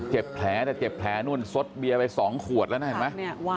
เจ็บแผลแต่เจ็บแผลนู่นสดเบียไปสองขวดแล้วน่ะ